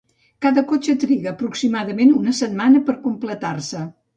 Cada cotxe triga aproximadament una setmana per a completar-se.